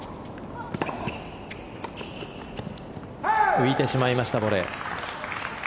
浮いてしまいました、ボレー。